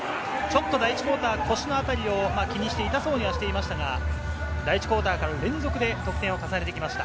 第１クオーターは腰の辺りを気にして痛そうにはしていましたが、第１クオーターから連続で得点を重ねてきました。